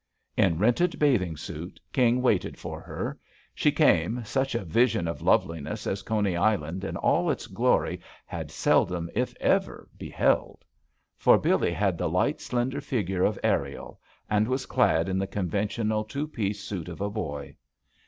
In rented bath suit, King waited for her. She came, such a vision of loveliness as Coney Island in all its glory had seldom if ever be held. For Billee had the light, slender figure of Ariel and was clad in the conventional two piece suit of a boy.